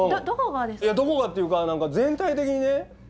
どこがっていうか何か全体的にね